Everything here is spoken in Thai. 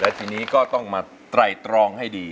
ทีนี้ก็ต้องมาไตรตรองให้ดี